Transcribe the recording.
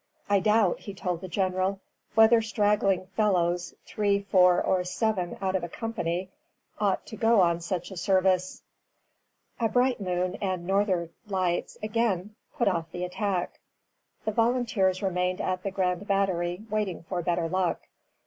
"I doubt," he told the General, "whether straggling fellows, three, four, or seven out of a company, ought to go on such a service." [Footnote: Waldo to Pepperell, 23 May, 1745.] A bright moon and northern lights again put off the attack. The volunteers remained at the Grand Battery, waiting for better luck.